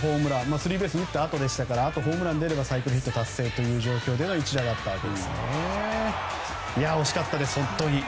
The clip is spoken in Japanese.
スリーベースを打ったあとでしたからあとホームランが出ればサイクルヒット達成という中での一打でしたが惜しかったです、本当に。